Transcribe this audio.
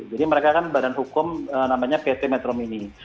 jadi mereka kan badan hukum namanya pt metro mini